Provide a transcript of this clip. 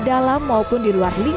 pertanyaan dari penulis